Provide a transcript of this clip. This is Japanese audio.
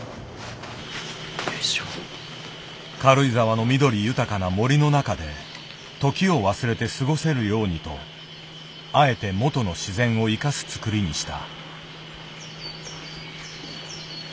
軽井沢の緑豊かな森の中で時を忘れて過ごせるようにとあえて元の自然を生かすつくりにした。